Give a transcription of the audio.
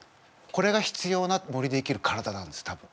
これが必要な森で生きる体なんです多分。